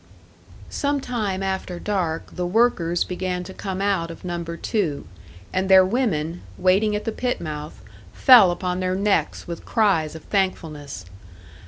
Some time after dark the workers began to come out of Number Two, and their women, waiting at the pit mouth, fell upon their necks with cries of thankfulness.